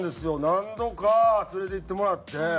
何度か連れていってもらって。